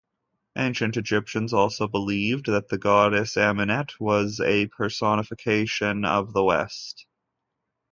Ancient Egyptians also believed that the Goddess Amunet was a personification of the West.